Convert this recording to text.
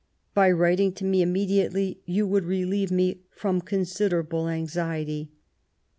By writmg to me immediately yon wonld relieve me from considerable anxiety.